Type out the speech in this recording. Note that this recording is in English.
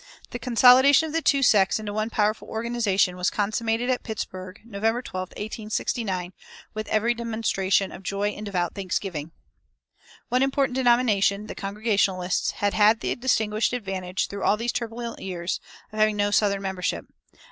The consolidation of the two sects into one powerful organization was consummated at Pittsburg, November 12, 1869, with every demonstration of joy and devout thanksgiving. One important denomination, the Congregationalists, had had the distinguished advantage, through all these turbulent years, of having no southern membership.